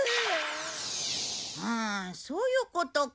ふーんそういうことか。